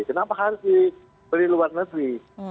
kenapa harus dibeli luar negeri